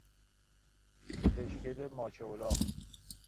پشگل ماچه الاغ